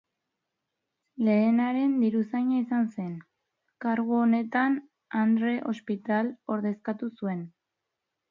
Lehenaren diruzaina izan zen; kargu honetan Andre Ospital ordezkatu zuen.